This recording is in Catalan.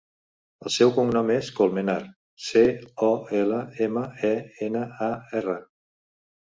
El seu cognom és Colmenar: ce, o, ela, ema, e, ena, a, erra.